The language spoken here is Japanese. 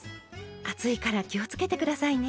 熱いから気をつけて下さいね。